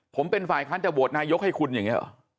ผมเป็นฝ่ายค้านจะโหวตนายกให้คุณอย่างนี้หรอ